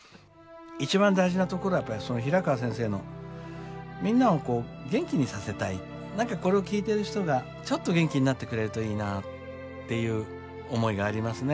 一番大事なところはやっぱり平川先生のみんなを元気にさせたい何かこれを聞いてる人がちょっと元気になってくれるといいなっていう思いがありますね。